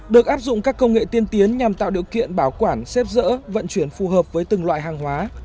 được áp dụng các công nghệ tiên tiến nhằm tạo điều kiện bảo quản xếp rỡ vận chuyển phù hợp với từng loại hàng hóa